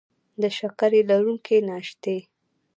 د شکرې لرونکي ناشتې